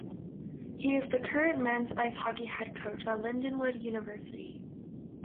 He is the current men's ice hockey head coach at Lindenwood University.